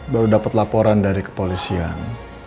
baru dapat laporan dari kepolisian